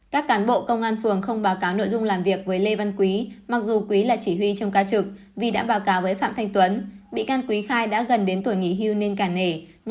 các cán bộ công an phường không báo cáo nội dung làm việc với lê văn quý mặc dù quý là chỉ huy trong ca trực vì đã báo cáo với phạm thanh tuấn